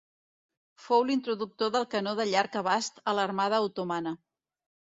Fou l'introductor del canó de llarg abast a l'armada otomana.